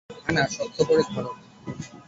হা-না, শক্ত করে ধরো!